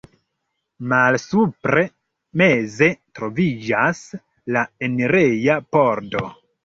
Malsupre meze troviĝas la enireja pordo.